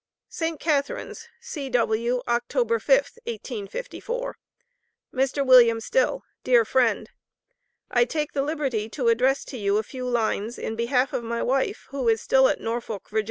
ST. CATHARINES, C.W., October 5th, 1854. MR. WILLIAM STILL: Dear Friend: I take the liberty to address to you a few lines in behalf of my wife, who is still at Norfolk, Va.